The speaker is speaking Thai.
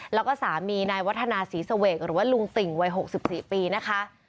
แล้วก็สามีนายวัฒนาศรีเสวกหรือว่าลุงติ่งวัย๖๔ปีนะคะ